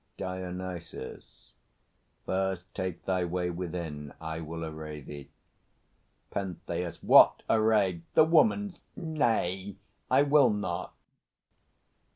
DIONYSUS. First take thy way Within. I will array thee. PENTHEUS. What array? The woman's? Nay, I will not.